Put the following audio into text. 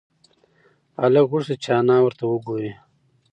هلک غوښتل چې انا ورته وگوري.